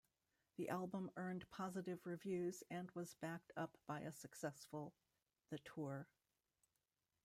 The album earned positive reviews and was backed up by a successful the tour.